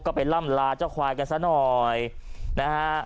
ก็ไปล่ำลาเจ้าควายกันซะหน่อยนะฮะ